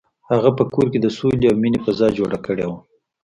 هغه په کور کې د سولې او مینې فضا جوړه کړې وه.